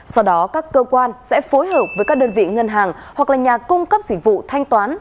sau đó các cơ quan sẽ phối hợp với các đơn vị ngân hàng hoặc là nhà cung cấp dịch vụ thanh toán